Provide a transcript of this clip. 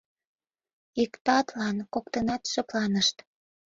Иктатлан коктынат шыпланышт.